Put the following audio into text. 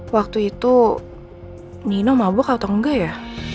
waktu itu nino mabuk atau enggak ya